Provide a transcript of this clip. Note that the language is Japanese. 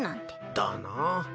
だな。